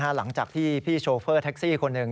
หลังจากที่พี่โชเฟอร์แท็กซี่คนหนึ่ง